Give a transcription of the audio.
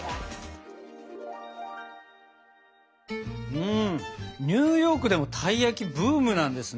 うんニューヨークでもたい焼きブームなんですね。